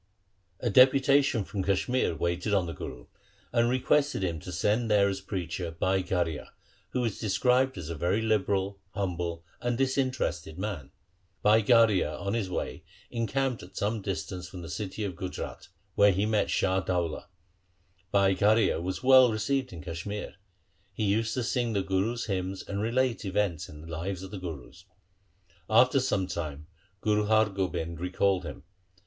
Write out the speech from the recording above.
A deputation from Kashmir waited on the Guru, and requested him to send there as preacher Bhai Garhia, who is described as a very liberal, humble, and disinterested man. Bhai Garhia on his way encamped at some distance from the city of Gujrat, where he met Shah Daula. Bhai Garhia was well received in Kashmir. He used to sing the Gurus' hymns and relate events in the lives of the Gurus. After some time Guru Har Gobind recalled him.